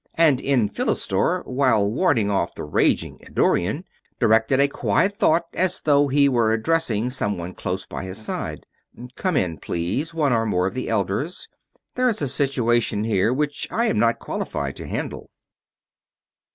And Enphilistor, while warding off the raging Eddorian, directed a quiet thought as though he were addressing someone close by his side: "Come in, please, one or more of the Elders. There is a situation here which I am not qualified to handle."